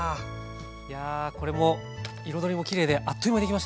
いやこれも彩りもきれいであっという間に出来ましたね。